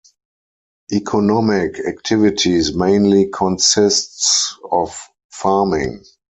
Economic activities mainly consists of farming.